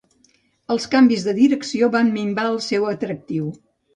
Els canvis de direcció van minvar el seu atractiu.